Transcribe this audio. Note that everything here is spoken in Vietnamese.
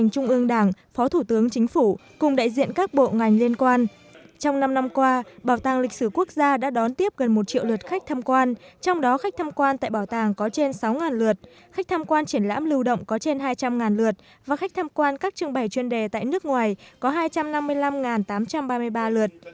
trong năm năm qua bảo tàng lịch sử quốc gia đã đón tiếp gần một triệu lượt khách tham quan trong đó khách tham quan tại bảo tàng có trên sáu lượt khách tham quan triển lãm lưu động có trên hai trăm linh lượt và khách tham quan các trưng bày chuyên đề tại nước ngoài có hai trăm năm mươi năm tám trăm ba mươi ba lượt